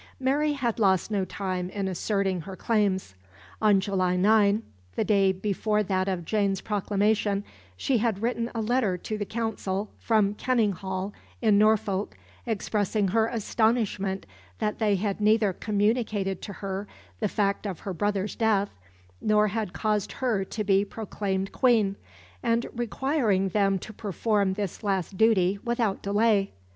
Mary had lost no time in asserting her claims. On July 9 the day before that of Jane's proclamation she had written a letter to the Council from Kenninghall in Norfolk, expressing her astonishment that they had neither communicated to her the fact of her brother's death, nor had caused her to be proclaimed Queen, and requiring them to perform this last duty without delay.